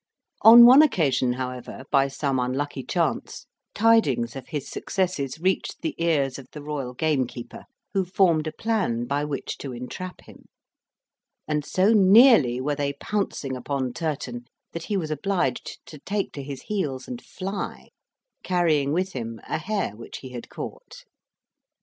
On one occasion; however, by some unlucky chance, tidings of his successes reached the ears of the royal gamekeeper, who formed a plan by which to entrap him; and so nearly were they pouncing upon Turton that he was obliged to take to his heels and fly, carrying with him a hare which he had caught.